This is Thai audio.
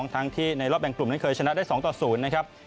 ทั้งที่ในรอบแบ่งกลุ่มนั้นเคยชนะได้๒ต่อ๐นะครับ